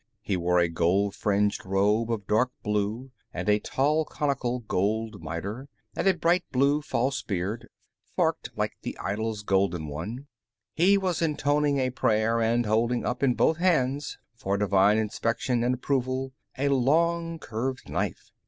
He wore a gold fringed robe of dark blue, and a tall conical gold miter, and a bright blue false beard, forked like the idol's golden one: he was intoning a prayer, and holding up, in both hands, for divine inspection and approval, a long curved knife.